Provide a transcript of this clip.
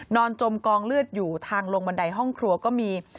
จมกองเลือดอยู่ทางลงบันไดห้องครัวก็มี